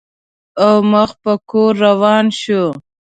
او مخ په کور روان شو.